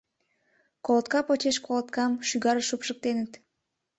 Колотка почеш колоткам шӱгарыш шупшыктеныт.